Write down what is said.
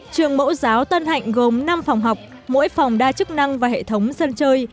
trường mẫu giáo tân hạnh gồm năm phòng học mỗi phòng đa chức năng và hệ thống sân chơi